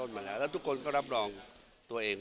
แล้วกางสือ